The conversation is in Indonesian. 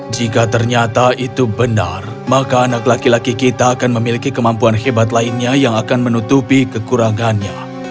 jika ternyata itu benar maka anak laki laki kita akan memiliki kemampuan hebat lainnya yang akan menutupi kekurangannya